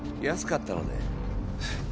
安かったので。